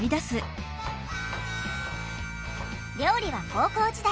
料理は高校時代